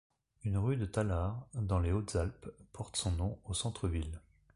Une rue de Tallard, dans les Hautes Alpes, porte son nom au centre ville.